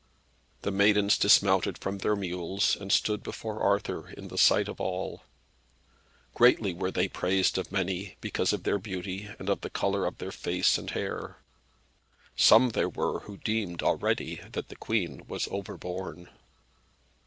The maidens dismounted from their mules, and stood before Arthur, in the sight of all. Greatly were they praised of many, because of their beauty, and of the colour of their face and hair. Some there were who deemed already that the Queen was overborne.